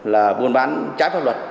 là buôn bán trái pháp luật